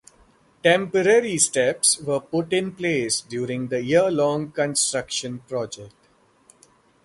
Temporary steps were put in place during the year-long construction project.